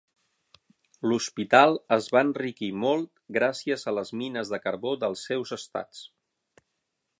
L'hospital es va enriquir molt gràcies a les mines de carbó dels seus estats.